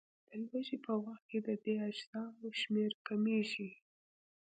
د لوږې په وخت کې د دې اجسامو شمېر کمیږي.